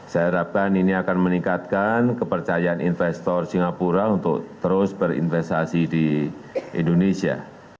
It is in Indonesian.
saya harapkan ini akan meningkatkan kepercayaan investor singapura untuk terus berinvestasi di indonesia